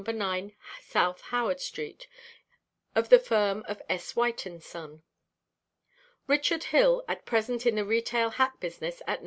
9 South Howard street, of the firm of S. White & Son. Richard Hill, at present in the retail hat business at No.